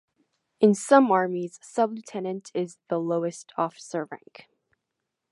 In some armies, sub-lieutenant is the lowest officer rank.